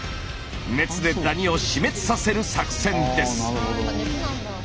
熱でダニを死滅させる作戦です。